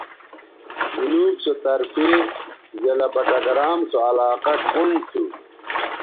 جنوب سو طرفے ضلع بٹگرام سو علاقہ کنڈ تھو